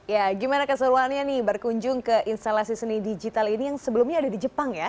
ya gimana keseruannya nih berkunjung ke instalasi seni digital ini yang sebelumnya ada di jepang ya